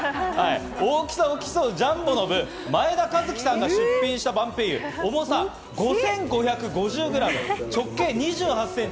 大きさを競うジャンボの部、前田一喜さんが出品したバンペイユ、重さ５５５０グラム、直径２８センチ。